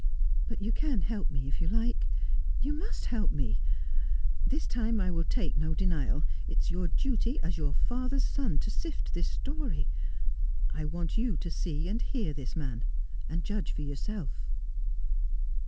But you can help me if you like. You must help me. This time I will take no denial. It is your duty, as your father's son, to sift this story. I want you to see and hear this man, and judge for yourself.'